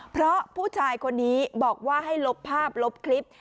เพราะผู้ชายคนนี้บอกว่าให้ลบภาพลบคลิป